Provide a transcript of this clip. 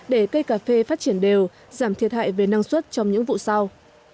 để cây cà phê phát triển đều giảm thiệt hại về năng suất trong những vụ sau